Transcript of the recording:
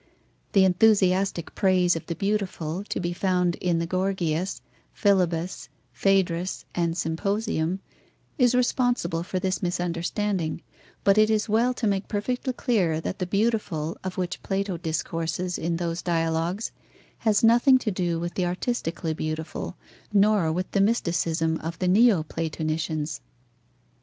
The enthusiastic praise of the beautiful, to be found in the Gorgias, Philebus, Phaedrus, and Symposium is responsible for this misunderstanding, but it is well to make perfectly clear that the beautiful, of which Plato discourses in those dialogues, has nothing to do with the artistically beautiful, nor with the mysticism of the neo Platonicians.